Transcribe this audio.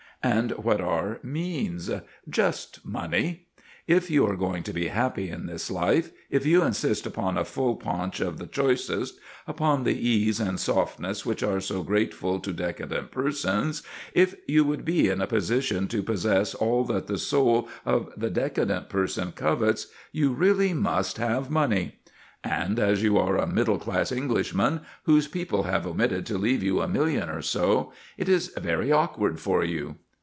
And what are "means"? Just money. If you are going to be happy in this life, if you insist upon a full paunch of the choicest upon the ease and softness which are so grateful to decadent persons, if you would be in a position to possess all that the soul of the decadent person covets, you really must have money. And as you are a middle class Englishman whose people have omitted to leave you a million or so, it is very awkward for you.